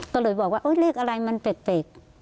ก็เลยบอกว่าเลขอะไรมันแปลก